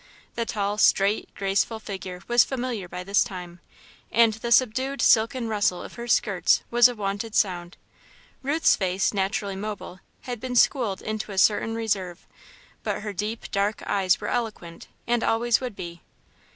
The tall, straight, graceful figure was familiar by this time, and the subdued silken rustle of her skirts was a wonted sound. Ruth's face, naturally mobile, had been schooled into a certain reserve, but her deep, dark eyes were eloquent, and always would be.